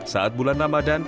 saat bulan ramadan